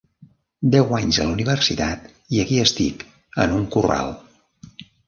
Deu anys a la universitat i aquí estic, en un corral.